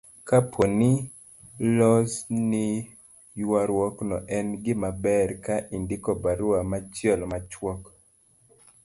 Kapo ni olosni ywaruokno, en gimaber ka indiko barua machielo machuok